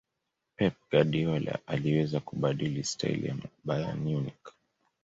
pep guardiola aliweza kubadili staili ya bayern munich